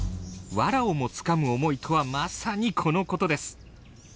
わらをもつかむ思いとはまさにこのことです。